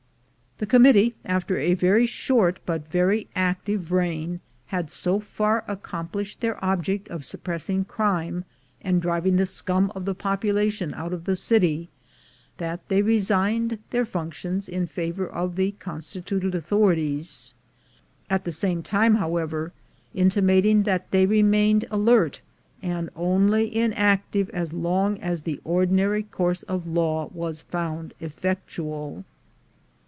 The Committee, after a very short but very active reign, had so far accomplished their object of suppress ing crime, and driving the scum of the population out of the city, that they resigned their functions in favor of the constituted authorities; at the same time, how ever, intimating that they remained alert, and only inactive so long as the ordinary course of law was found effectual.